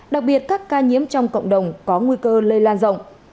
đặc biệt các ca nhiễm trong cộng đồng có nguy cơ lây lan rộng